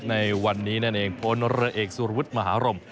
ในวันนี้นั่นเองพลเรือเอกสุรวุฒิมหารม